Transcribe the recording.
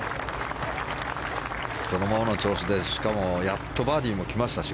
そのままの調子でしかもやっとバーディーも来ましたし